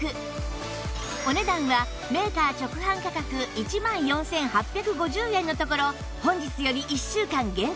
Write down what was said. お値段はメーカー直販価格１万４８５０円のところ本日より１週間限定